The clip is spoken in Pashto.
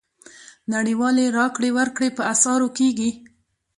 نړیوالې راکړې ورکړې په اسعارو کېږي.